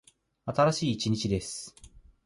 新しい一日です。